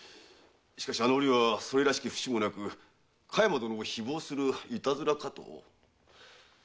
しかしあの折はそれらしき節もなく香山殿を誹謗するいたずらかと。